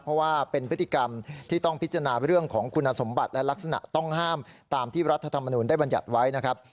เพราะว่าเป็นพฤติกรรมที่ต้องพิจารณาเรื่องของคุณสมบัติและลักษณะต้องห้ามตามที่รัฐธรรมนูลได้บรรยัติไว้นะครับ